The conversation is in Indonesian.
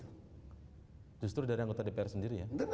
hai justru dari anggota dpr sendiri ya